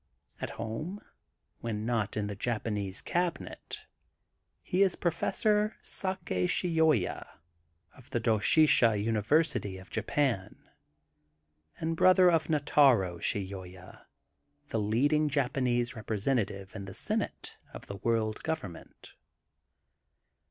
At 268 THE GOLDEN BOOK OF SPRINGFIELD home, when not in the Japanese Cabinet, he is professor Sake Shioya of the Doshisha Uni versity of Japan, and brother of Nataro Shioya, the leading Japanese representative in the Senate of the World Government.